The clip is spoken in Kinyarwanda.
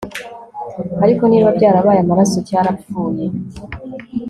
ariko niba byarabaye amaraso cyarapfuye